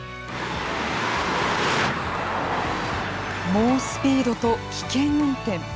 猛スピードと危険運転。